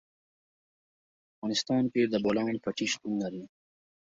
په افغانستان کې د بولان پټي شتون لري.